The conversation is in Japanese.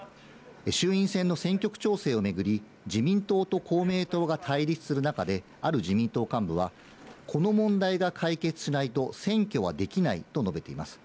衆院選の選挙区調整をめぐり、自民党と公明党が対立する中で、ある自民党幹部はこの問題が解決しないと選挙はできないと述べています。